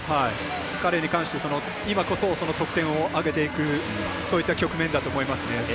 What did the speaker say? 彼に関して今こそ得点を挙げていくそういった局面だと思いますね。